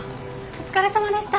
お疲れさまです。